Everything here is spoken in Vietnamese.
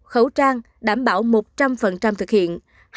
khẩu trang đảm bảo một trăm linh thực hiện